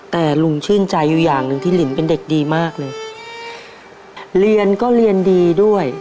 แต่ลุงชื่นใจอยู่อย่างหนึ่งที่ลินเป็นเด็กดีมากเลยเรียนก็เรียนดีด้วย